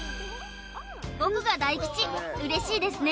僕が大吉嬉しいですね